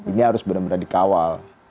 ini harus benar benar dikawal